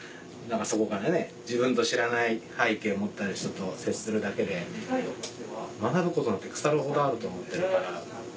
そこから自分と知らない背景を持った人と接するだけで学ぶことなんて腐るほどあると思ってるから。